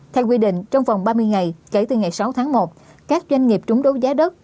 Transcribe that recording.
theo quy định trong vòng ba mươi ngày kể từ ngày sáu tháng một các doanh nghiệp trúng đấu giá đất